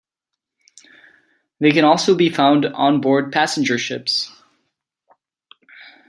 They can also be found onboard passenger ships.